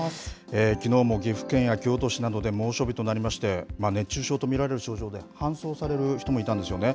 きのうも岐阜県や京都市などで猛暑日となりまして、熱中症と見られる症状で搬送される人もいたんですよね。